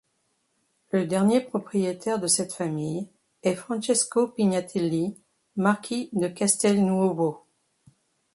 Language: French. Le dernier propriétaire de cette famille est Francesco Pignatelli, marquis de Castelnuovo.